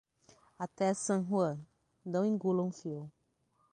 Até San Juan, não engula um fio.